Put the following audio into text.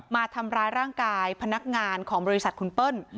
มาทำร้ายร่างกายพนักงานของบริษัทคุณเปิ้ล